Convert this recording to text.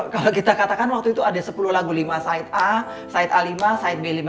kalau kita katakan waktu itu ada sepuluh lagu lima side a side a lima side b lima